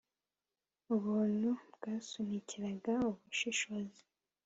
Ubuntu bwasunikiraga ubushishozi